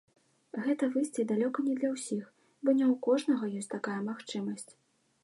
Гэта выйсце далёка не для ўсіх, бо не ў кожнага ёсць такая магчымасць.